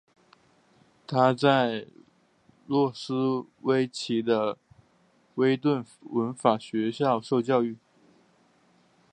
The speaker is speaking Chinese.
他在诺斯威奇的威顿文法学校受教育。